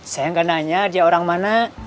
saya nggak nanya dia orang mana